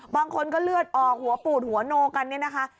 บางคนก็เลือดออกหัวปูดหัวโนกันเนี่ยนะคะ